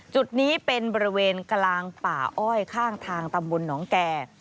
จุดนี้เป็นบริเวณกลางป่าอ้อยข้างทางตำบลหนองแก่